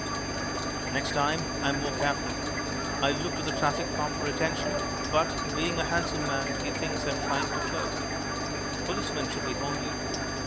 Next time I am more careful. I look to the traffic cop for attention but, being a handsome man, he thinks I'm trying to flirt. Policemen should be homely.